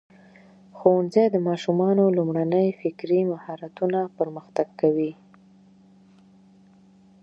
ښوونځی د ماشومانو لومړني فکري مهارتونه پرمختګ کوي.